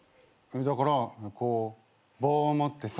だからこう棒を持ってさ。